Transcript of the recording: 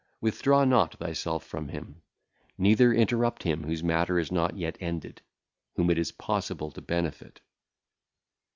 Withdraw not thyself from him, neither interrupt (?) him whose matter is not yet ended, whom it is possible to benefit.